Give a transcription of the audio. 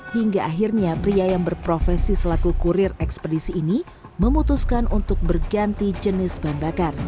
hingga akhirnya pria yang berprofesi selaku kurir ekspedisi ini memutuskan untuk berganti jenis bahan bakar